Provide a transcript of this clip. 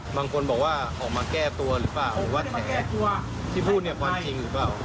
บางคนบอกว่าออกมาแก้ตัวหรือเปล่าว่าแต่ที่พูดเนี่ยความจริงหรือเปล่า